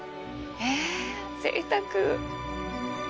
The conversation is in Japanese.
えぜいたく。